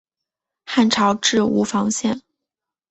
汉朝置吴房县。